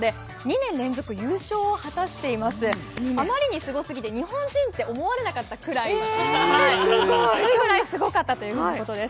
あまりにすごすぎて、日本人って思われなかったくらい、それぐらいすごかったということです。